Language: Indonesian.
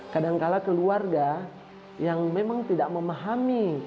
kadangkala keluarga yang memang tidak memahami